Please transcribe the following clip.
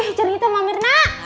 ih cerita mbak mirna